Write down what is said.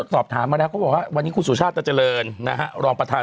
สอบถามมาแล้วเขาบอกว่าวันนี้คุณสุชาติตะเจริญนะฮะรองประธาน